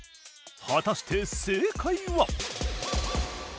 果たして正解は？